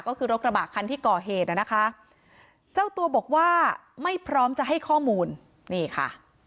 ก็คือรถกระบะคันที่ก่อเหตุนะคะเจ้าตัวบอกว่าไม่พร้อมจะให้ข้อมูลนี่ค่ะ